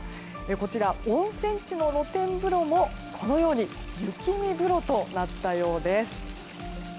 こちら、温泉地の露天風呂もこのように雪見風呂となったようです。